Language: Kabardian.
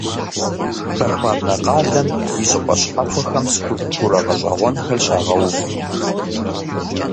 Прохладнэ къалэм и щӀыпӀэ щхьэхуэхэм скульптурэ гъэщӀэгъуэнхэр щагъэув.